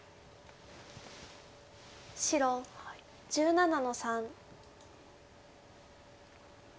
白１７の三。